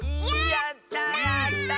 やった！